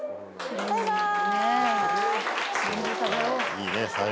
バイバイ。